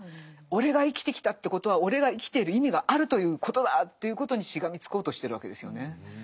俺が生きてきたってことは俺が生きている意味があるということだということにしがみつこうとしてるわけですよね。